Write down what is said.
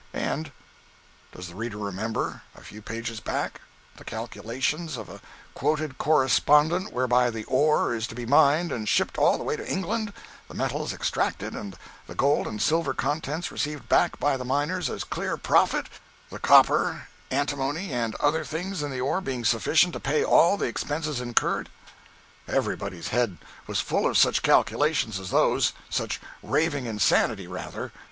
And does the reader remember, a few pages back, the calculations, of a quoted correspondent, whereby the ore is to be mined and shipped all the way to England, the metals extracted, and the gold and silver contents received back by the miners as clear profit, the copper, antimony and other things in the ore being sufficient to pay all the expenses incurred? Everybody's head was full of such "calculations" as those—such raving insanity, rather.